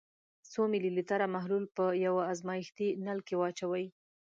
څو ملي لیتره محلول په یو ازمیښتي نل کې واچوئ.